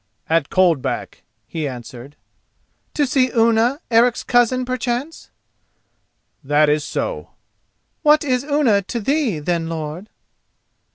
"At Coldback," he answered. "To see Unna, Eric's cousin, perchance?" "That is so." "What is Unna to thee, then, lord?"